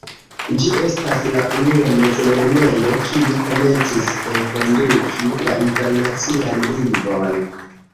Ĝi estas la unua mezlernejo kiu komencis enkonduki la internacian lingvon.